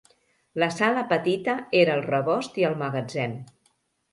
La sala petita era el rebost i el magatzem.